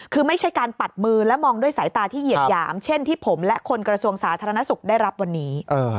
คือไม่ใช่การปัดมือและมองด้วยสายตาที่เหยียดหยามเช่นที่ผมและคนกระทรวงสาธารณสุขได้รับวันนี้